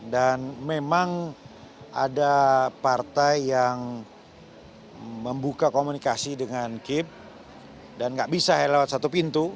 dan memang ada partai yang membuka komunikasi dengan kip dan gak bisa lewat satu pintu